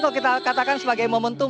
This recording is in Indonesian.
kalau kita katakan sebagai momentum